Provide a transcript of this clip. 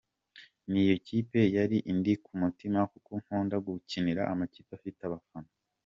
Ni yo kipe yari indi ku mutima kuko nkunda gukinira amakipe afite abafana.